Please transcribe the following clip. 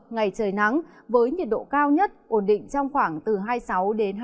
ngày trời nắng với nhiệt độ cao nhất ổn định trong khoảng từ hai mươi sáu đến hai mươi